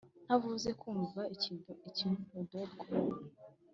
ntavuze kumva ikint udodwa